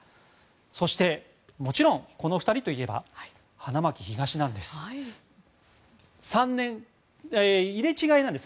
そして、もちろんこの２人といえば花巻東なんです。